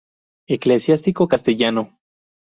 Eclesiástico castellano.